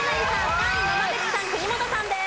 ３位野間口さん国本さんです。